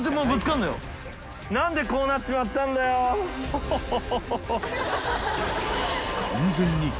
ハハハ